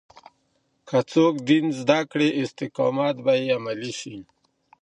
که څوک دين زده کړي، استقامت به يې عملي شي.